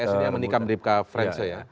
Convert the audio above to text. ts dia menikam bribka frence ya